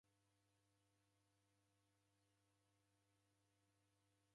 Kaka koa kufinikire momu.